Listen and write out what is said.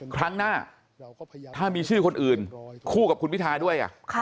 ครั้งหน้าถ้ามีชื่อคนอื่นคู่กับคุณพิทาด้วย